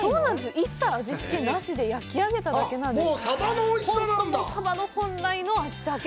一切味つけなしで、焼き上げただけなんです。